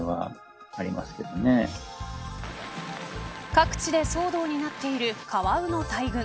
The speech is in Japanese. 各地で騒動になっているカワウの大群。